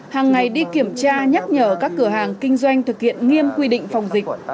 hàng ngày đi kiểm tra nhắc nhở các cửa hàng kinh doanh thực hiện nghiêm quy định phòng dịch